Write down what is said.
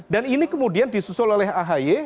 dan ini kemudian disusul oleh ahy